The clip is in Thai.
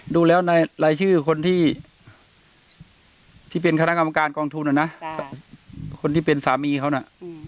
ดูแล้วในรายชื่อคนที่เป็นคณะกรรมการกองทุนนะคนที่เป็นสามีเขาน่ะ